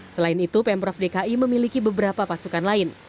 selain itu pemprov dki memiliki beberapa pasukan lain